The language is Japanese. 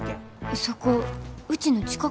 そこうちの近くです。